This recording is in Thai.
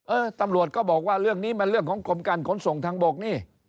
เออตำรวจก็บอกว่าเรื่องนี้มันเรื่องของกรมการขนส่งทางบกนี่